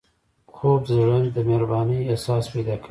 خوب د زړه د مهربانۍ احساس پیدا کوي